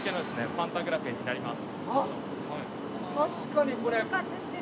パンタグラフになります。